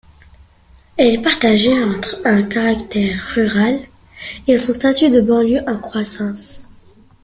Elle est partagée entre un caractère rural et son statut de banlieue en croissance.